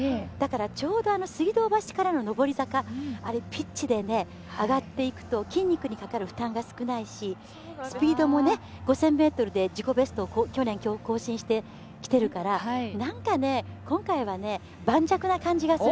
ちょうど水道橋からの上り坂ピッチで上がっていくと筋肉にかかる負担が少ないしスピードも５０００ｍで自己ベストを去年更新してきてるから今回は盤石な感じがする。